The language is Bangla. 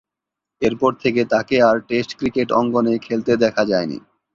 এরপর থেকে তাকে আর টেস্ট ক্রিকেট অঙ্গনে খেলতে দেখা যায়নি।